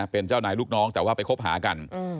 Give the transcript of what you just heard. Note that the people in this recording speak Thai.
เป็นเจ้านายลูกน้องแต่ว่าไปคบหากัน